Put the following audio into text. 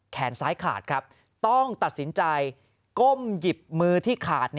แขนซ้ายขาดครับต้องตัดสินใจก้มหยิบมือที่ขาด